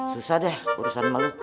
susah deh urusan emang lu